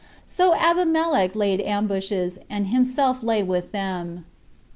So Abimelech laid ambushes, and himself lay with them.